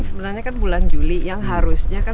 sebenarnya kan bulan juli yang harusnya kan